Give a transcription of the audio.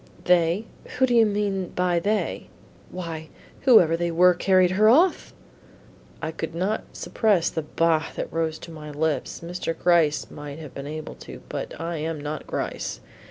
"They? Who do you mean by they?" "Why, whoever they were who carried her off." I could not suppress the "bah!" that rose to my lips. Mr. Gryce might have been able to, but I am not Gryce.